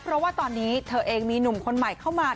เพราะว่าตอนนี้เธอเองมีหนุ่มคนใหม่เข้ามา